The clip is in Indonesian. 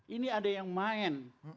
ini ada yang main